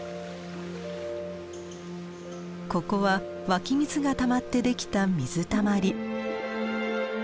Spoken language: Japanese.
ここは湧き水がたまってできた水たまり。